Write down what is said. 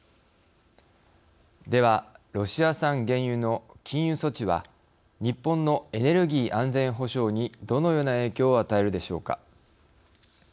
ではロシア産原油の禁輸措置は日本のエネルギー安全保障にどのような影響を与えるでしょうか。